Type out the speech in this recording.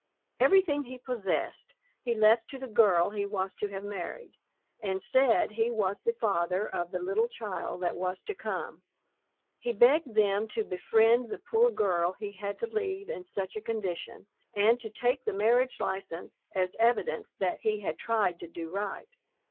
Everything he possessed he left to the girl he was to have married, and said he was the father of the little child that was to come. He begged them to befriend the poor girl he had to leave in such a condition, and to take the marriage license as evidence that he had tried to do right.